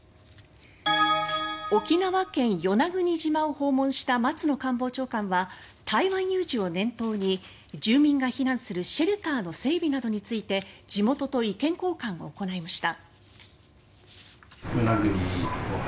沖縄県・与那国島を訪問した松野官房長官は台湾有事を念頭に住民が避難するシェルターの整備について地元と意見交換を行いました。